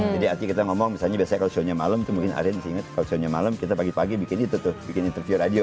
jadi artinya kita ngomong misalnya kalau shownya malam itu mungkin arian masih ingat kalau shownya malam kita pagi pagi bikin itu tuh bikin interview radio